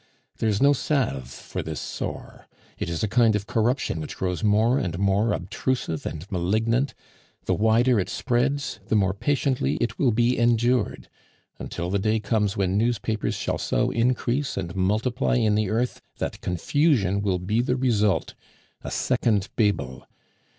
There is no salve for this sore. It is a kind of corruption which grows more and more obtrusive and malignant; the wider it spreads, the more patiently it will be endured, until the day comes when newspapers shall so increase and multiply in the earth that confusion will be the result a second Babel.